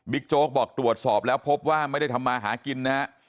โจ๊กบอกตรวจสอบแล้วพบว่าไม่ได้ทำมาหากินนะฮะ